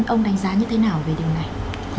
ông đánh giá như thế nào về điều này